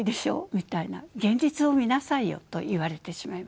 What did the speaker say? みたいな「現実を見なさいよ」と言われてしまいます。